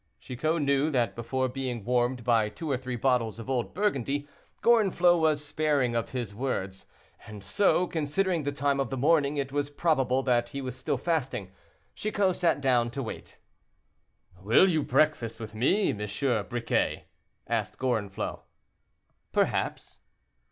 Chicot knew that before being warmed by two or three bottles of old Burgundy, Gorenflot was sparing of his words; and so, considering the time of the morning, it was probable that he was still fasting, Chicot sat down to wait. "Will you breakfast with me, M. Briquet?" asked Gorenflot. "Perhaps."